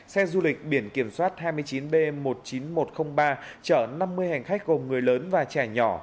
xe du lịch biển kiểm soát hai mươi chín b một mươi chín nghìn một trăm linh ba chở năm mươi hành khách gồm người lớn và trẻ nhỏ